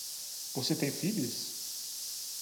Você tem filhos?